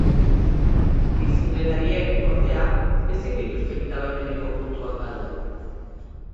Bizikletariek, ordea, ezin dituzte gida-baimeneko puntuak galdu.